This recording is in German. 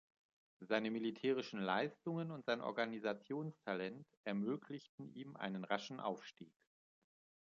Seine militärische Leistungen und sein Organisationstalent ermöglichten ihm einen raschen Aufstieg.